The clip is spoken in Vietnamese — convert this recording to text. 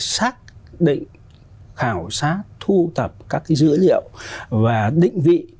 xác định khảo sát thu tập các dữ liệu và định vị